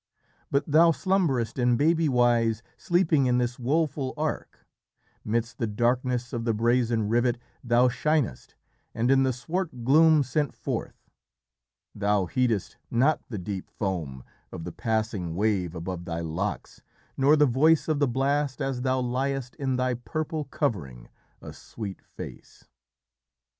But thou slumberest, in baby wise sleeping in this woeful ark; midst the darkness of the brazen rivet thou shinest and in the swart gloom sent forth; thou heedest not the deep foam of the passing wave above thy locks nor the voice of the blast as thou liest in thy purple covering, a sweet face.